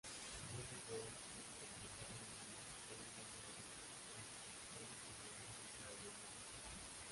Luego fue subsecretario del Ministerio de Guerra, e inspector general de caballería.